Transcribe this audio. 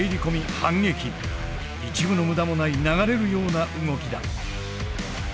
一分の無駄もない流れるような動きだ。